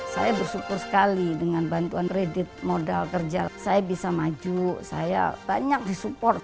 saya bersyukur sekali dengan bantuan kredit modal kerja saya bisa maju saya banyak disupport